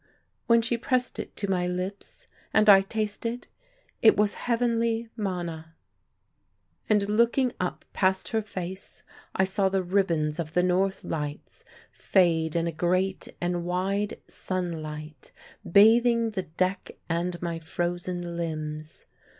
when she pressed it to my lips, and I tasted, it was heavenly manna. And looking up past her face I saw the ribbons of the North Lights fade in a great and wide sunlight, bathing the deck and my frozen limbs.